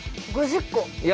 ５０個。